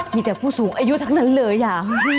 มีแต่ผู้สูงอายุทั้งนั้นเลยอ่ะ